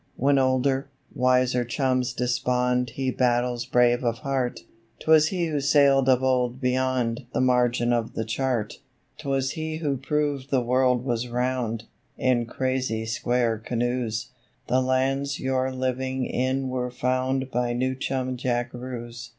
When older, wiser chums despond He battles brave of heart 'Twas he who sailed of old beyond The margin of the chart. 'Twas he who proved the world was round In crazy square canoes; The lands you're living in were found By New Chum Jackaroos.